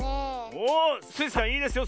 おスイさんいいですよ。